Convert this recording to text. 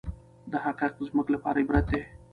دا حقایق زموږ لپاره عبرت دي.